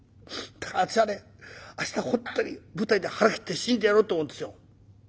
だから私はね明日本当に舞台で腹切って死んでやろうと思うんですよ」。